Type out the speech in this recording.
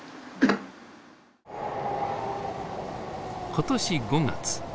今年５月。